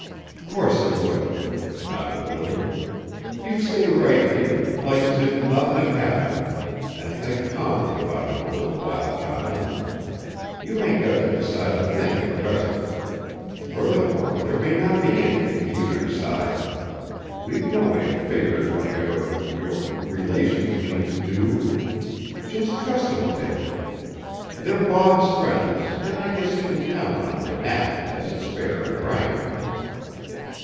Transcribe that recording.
"Course 'twould," nodded Willie. "You stay right here, like as if nothin' had happened, an' think calmly about it a little while, child. You ain't got to decide a thing at present; furthermore, there may not be anything for you to decide. We've no way of figgerin' what your your relations mean to do. Just trust 'em a bit. They're Bob's friends an' I guess we can count on 'em to act as is fair an' right."